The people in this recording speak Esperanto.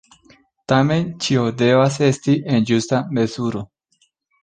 Tamen ĉio devas esti en ĝusta mezuro.